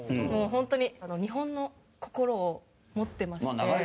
もう本当に日本の心を持ってまして。